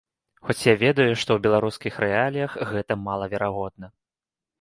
Хоць я ведаю, што ў беларускіх рэаліях гэта малаверагодна.